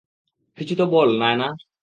কিছু তো বল, নায়না।